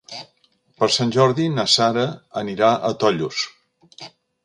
Per Sant Jordi na Sara anirà a Tollos.